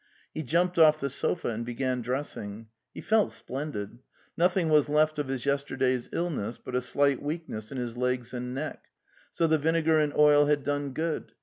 He jumped off the sofa and began dressing. He felt splendid; nothing was left of his yesterday's ill ness but a slight weakness in his legs and neck. So the vinegar and oil had done good.